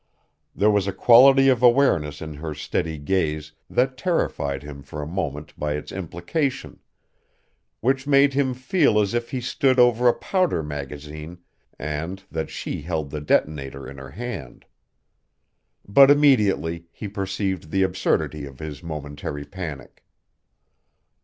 There was a quality of awareness in her steady gaze that terrified him for a moment by its implication, which made him feel as if he stood over a powder magazine and that she held the detonator in her hand. But immediately he perceived the absurdity of his momentary panic.